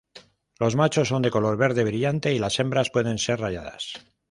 Los machos son de color verde brillante y las hembras pueden ser rayadas.